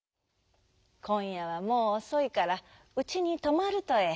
「こんやはもうおそいからうちにとまるとええ。